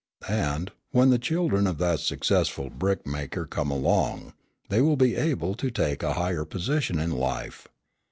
And, when the children of that successful brick maker come along, they will be able to take a higher position in life.